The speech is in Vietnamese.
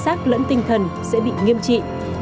cả về thể xác lẫn tinh thần sẽ bị nghiêm trị